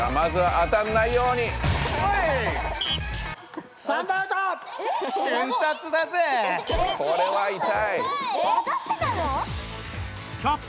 当たってたの？